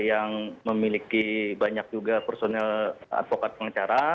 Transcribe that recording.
yang memiliki banyak juga personil advokat pengacara